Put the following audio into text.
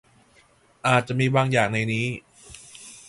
อาจมีบางอย่างในนี้